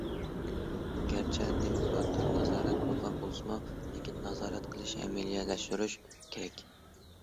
گەرچە دېموكراتىك نازارەت بولغان بولسىمۇ، لېكىن نازارەت قىلىش ئەمەلىيلەشتۈرۈلۈش كېرەك.